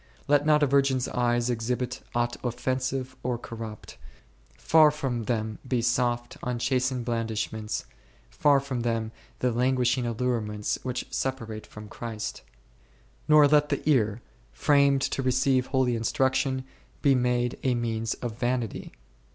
Let not a virgin's eyes exhibit aught offensive or corrupt ; far from them be soft, unchastened blandishments, far from them the languishing allurements which se parate from Christ. Nor let the ear, framed to receive holy instruction, be made a means of vanity.